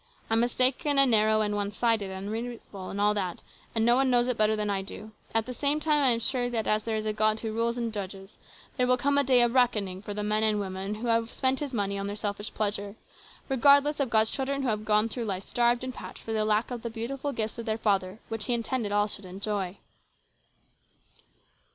I'm mistaken, and narrow, and one sided, and unreasonable, and all that, and no one knows it better than I do. All the same, I am sure that, as there is a God who rules and judges, there will come a day of reckoning for the men and women who have spent His money on their selfish pleasures, regardless of God's children who have gone through life starved and parched for the lack of the beautiful gifts of their Father which He intended all should enjoy."